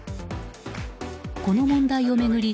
この問題を巡り